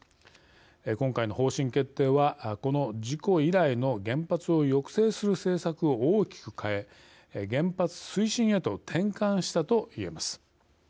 今回の方針決定はこの事故以来の原発を抑制する政策を大きく変え原発推進へと転換したと言えます。